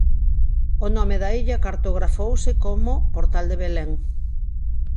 O nome da illa cartografouse como "Portal de Belén".